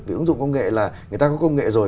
vì ứng dụng công nghệ là người ta có công nghệ rồi